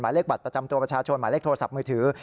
เลขบัตรประจำตัวประชาชนหมายเลขโทรศัพท์มือถือ